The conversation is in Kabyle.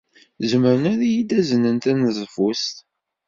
Zemren ad iyi-d-aznen taneḍfust?